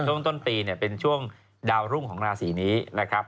ช่วงต้นปีเนี่ยเป็นช่วงดาวรุ่งของราศีนี้นะครับ